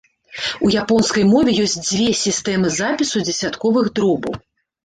У японскай мове ёсць дзве сістэмы запісу дзесятковых дробаў.